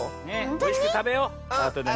おいしくたべようあとでね。